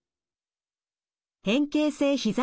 変形性ひざ